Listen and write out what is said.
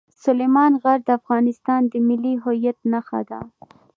سلیمان غر د افغانستان د ملي هویت نښه ده.